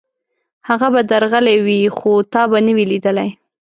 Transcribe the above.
هغه به درغلی وي، خو تا به نه وي لېدلی.